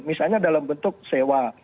misalnya dalam bentuk sewa